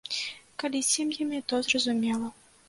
Калі з сем'ямі, то зразумела.